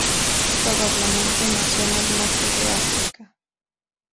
Probablemente nació en el norte de África.